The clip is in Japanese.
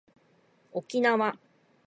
おきなわ